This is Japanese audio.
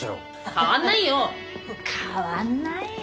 変わんないよ！